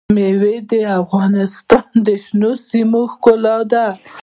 مېوې د افغانستان د شنو سیمو ښکلا ده.